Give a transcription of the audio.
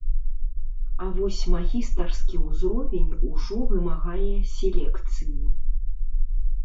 А вось магістарскі ўзровень ужо вымагае селекцыі.